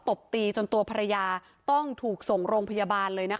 ตบตีจนตัวภรรยาต้องถูกส่งโรงพยาบาลเลยนะคะ